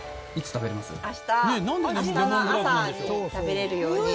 明日の朝に食べられるように。